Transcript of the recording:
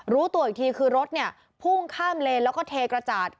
รู้ตัวอีกทีคือรถเนี่ยพุ่งข้ามเลนแล้วก็เทกระจาด